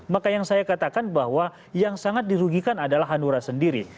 maka yang saya katakan bahwa yang sangat dirugikan adalah hanura sendiri